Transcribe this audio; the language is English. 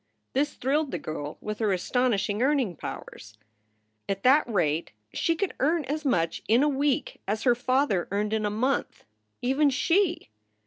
This thrilled the girl with her astonish ing earning powers. At that rate she could earn as much in a week as her father earned in a month. Even she